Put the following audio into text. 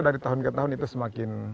dari tahun ke tahun itu semakin